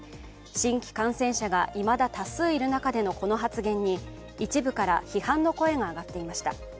新規感染者がいまだ多数いる中でのこの発言に一部から批判の声が上がっていました。